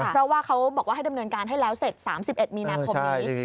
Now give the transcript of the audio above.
เพราะว่าเขาบอกว่าให้ดำเนินการให้แล้วเสร็จ๓๑มีนาคมนี้